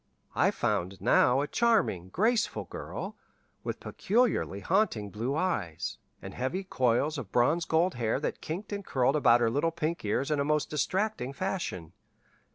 I found now a charming, graceful girl, with peculiarly haunting blue eyes, and heavy coils of bronze gold hair that kinked and curled about her little pink ears in a most distracting fashion.